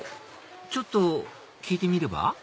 ちょっと聞いてみれば？